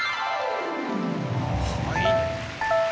はい。